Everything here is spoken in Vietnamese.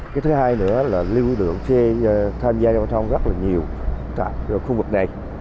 cái thứ hai nữa là lưu ý được xe tham gia giao thông rất là nhiều ở khu vực này